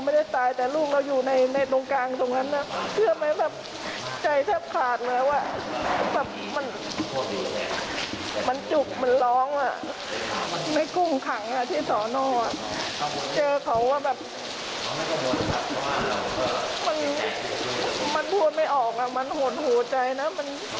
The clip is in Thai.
มันพูดไม่ออกอ่ะมันโหดหูใจนะ